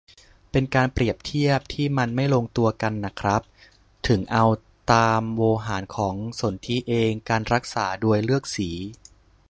เป็นการเปรียบเทียบที่มันไม่ลงตัวกันน่ะครับ - ถึงเอาตามโวหารของสนธิเอง การรักษาโดยเลือกสี